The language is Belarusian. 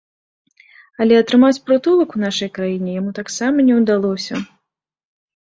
Але атрымаць прытулак у нашай краіне яму таксама не ўдалося.